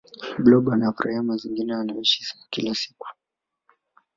blob anayafuraia mazingira anayoishi kila siku